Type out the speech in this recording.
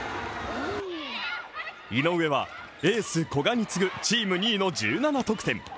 井上はエース古賀に次ぐ、チーム２位の１７得点。